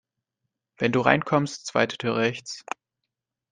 Wenn du reinkommst, zweite Tür rechts.